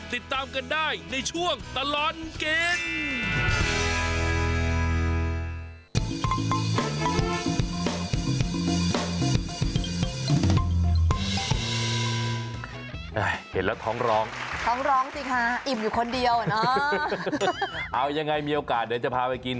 ติดตามกันได้ในช่วงตลอดกิน